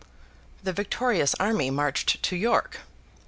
The victorious army marched to York.